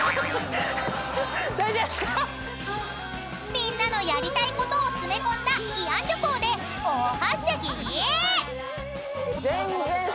［みんなのやりたいことを詰め込んだ慰安旅行で大はしゃぎ！］